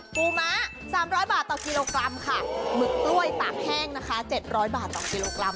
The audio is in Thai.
ปูม้าสามร้อยบาทต่อกิโลกรัมค่ะหมึกกล้วยตากแห้งนะคะ๗๐๐บาทต่อกิโลกรัม